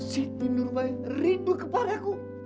siti norbaya rindu kepadaku